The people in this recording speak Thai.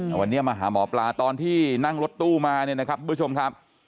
แต่วันนี้มาหาหมอปลาตอนที่นั่งรถตู้มาเนี่ยนะครับ